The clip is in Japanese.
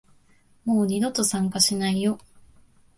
もう二度と参加しないよ